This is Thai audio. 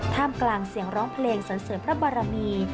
มกลางเสียงร้องเพลงสันเสริมพระบารมี